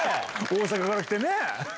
大阪から来てね。